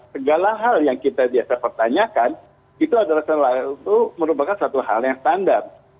segala hal yang kita biasa pertanyakan itu adalah merupakan satu hal yang standar